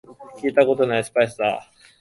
聞いたことないスパイスが入ってるみたいだ